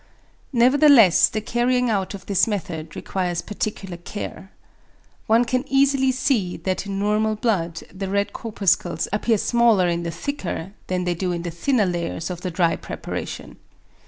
Nevertheless the carrying out of this method requires particular care. One can easily see that in normal blood the red corpuscles appear smaller in the thicker than they do in the thinner layers of the dry preparation.